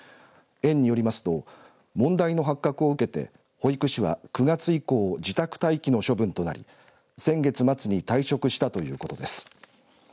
園によりますと問題の発覚を受けて保育士は９月以降自宅待機の処分となり先月末に退職したということです。